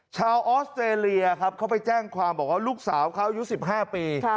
ออสเตรเลียครับเขาไปแจ้งความบอกว่าลูกสาวเขาอายุ๑๕ปี